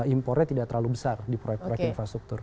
karena impornya tidak terlalu besar di proyek proyek infrastruktur